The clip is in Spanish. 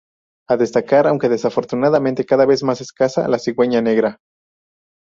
A destacar, aunque desafortunadamente cada vez más escasa, la cigüeña negra.